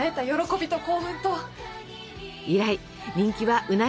以来人気はうなぎ登り。